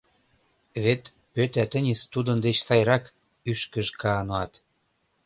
Вет Пӧта-Тынис тудын деч сайрак, Ӱшкыж-Каануат.